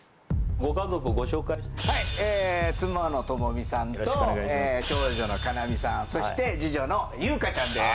ご家族ご紹介してはい妻の友美さんと長女の叶望さんそして次女の友香ちゃんです